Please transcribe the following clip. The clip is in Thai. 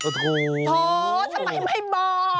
โถสมัยไม่บอก